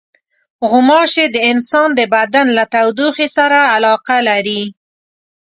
غوماشې د انسان د بدن له تودوخې سره علاقه لري.